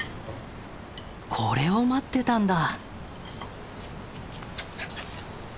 これを待ってたんだ！